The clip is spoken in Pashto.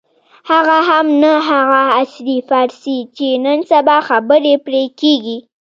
هغه هم نه هغه عصري فارسي چې نن سبا خبرې پرې کېږي.